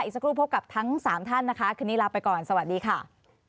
สักครู่พบกับทั้งสามท่านนะคะคืนนี้ลาไปก่อนสวัสดีค่ะ